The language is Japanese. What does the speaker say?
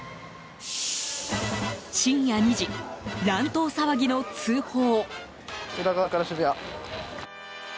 深夜２時、乱闘騒ぎの通報。